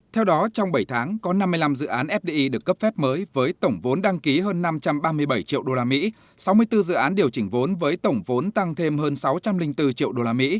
theo đó trong bảy tháng có năm mươi năm dự án fdi được cấp phép mới với tổng vốn đăng ký hơn năm trăm ba mươi bảy triệu usd sáu mươi bốn dự án điều chỉnh vốn với tổng vốn tăng thêm hơn sáu trăm linh bốn triệu usd